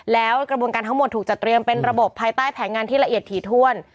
แล้วกระบวนการทั้งหมดถูกจัดเตรียมเป็นระบบภายใต้แผนงานที่ละเอียดถี่ถ้วน